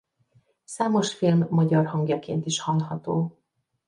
Számos film magyar hangjaként is hallható.